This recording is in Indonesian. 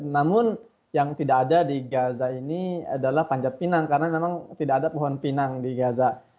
namun yang tidak ada di gaza ini adalah panjat pinang karena memang tidak ada pohon pinang di gaza